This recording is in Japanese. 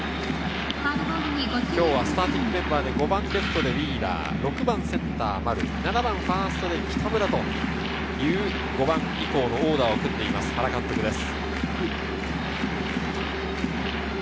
スターティングメンバーで５番レフトでウィーラー、６番センター・丸、７番ファーストで北村という５番以降のオーダーを組んでいます、原監督です。